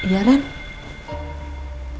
pernikahannya randy sama mbak catherine